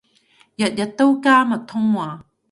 日日都加密通話